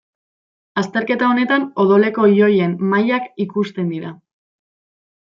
Azterketa honetan odoleko ioien mailak ikusten dira.